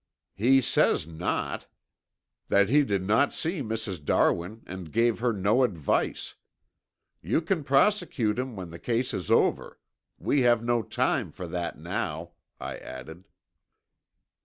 "He says not. That he did not see Mrs. Darwin and gave her no advice. You can prosecute him when the case is over. We have no time for that now," I added.